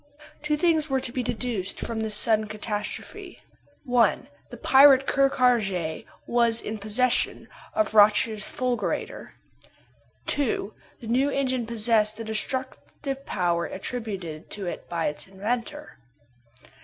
Two things were to be deduced from this sudden catastrophe: 1. The pirate Ker Karraje was in possession of Roch's fulgurator. 2. The new engine possessed the destructive power attributed to it by its inventor.